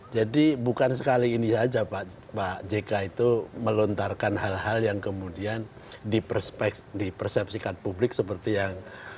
jadi bukan sekali ini aja pak jk itu melontarkan hal hal yang kemudian dipersepsikan publik seperti yang